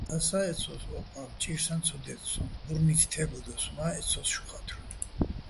ასა́ ეცო́ს ო ყა́ვ, ჭირსაჼ ცო დე́წ სოჼ, ბურნით თე́ბლდოს, მა́ ეცო́ს, შუ ხა́თრუნ.